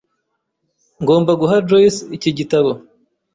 Ngomba guha Joyce iki gitabo.